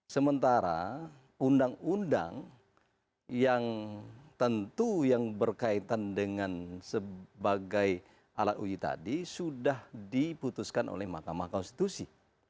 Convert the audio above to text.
sementara undang undang yang tentu yang berkaitan dengan sebagai alat uji tadi sudah diputuskan oleh mahkamah konstitusi